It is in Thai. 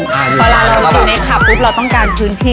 พอเรารู้จริงแหละค่ะปุ๊บเราต้องการพื้นที่